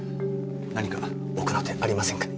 何か奥の手ありませんか？